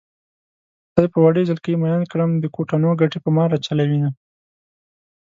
خدای په وړې جلکۍ مئين کړم د کوټنو ګټې په ما راچلوينه